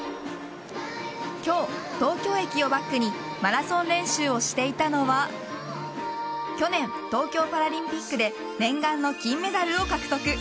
今日、東京駅をバックにマラソン練習をしていたのは去年、東京パラリンピックで念願の金メダルを獲得。